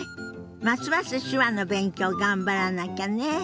ますます手話の勉強頑張らなきゃね。